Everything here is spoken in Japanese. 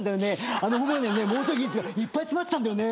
あのホームランにはものすごい技術がいっぱい詰まってたんだよね。